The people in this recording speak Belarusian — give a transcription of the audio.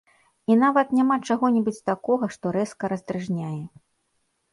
І нават няма чаго-небудзь такога, што рэзка раздражняе!